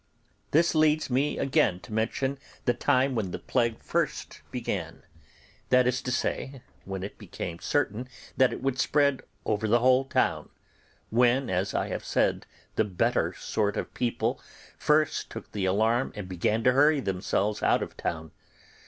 This leads me again to mention the time when the plague first began; that is to say, when it became certain that it would spread over the whole town, when, as I have said, the better sort of people first took the alarm and began to hurry themselves out of town.